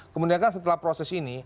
kemudian kan setelah proses ini